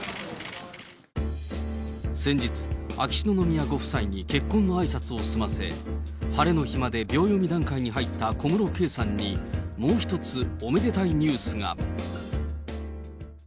先日、秋篠宮ご夫妻に結婚のあいさつを済ませ、晴れの日まで秒読み段階に入った小室圭さんに、もう一つ、おめでたいニュースが。